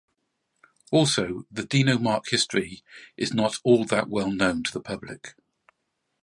Also the Dino marque history is not all that well known to the public.